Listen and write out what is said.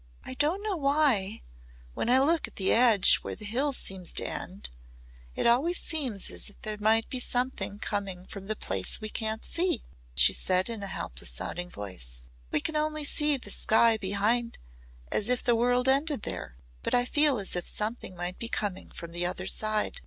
"I don't know why when I look at the edge where the hill seems to end it always seems as if there might be something coming from the place we can't see " she said in a helpless sounding voice. "We can only see the sky behind as if the world ended there. But I feel as if something might be coming from the other side.